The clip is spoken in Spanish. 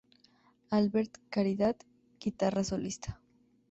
Albert Caridad: guitarra solista.